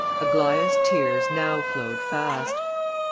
Aglaïa's tears now flowed fast.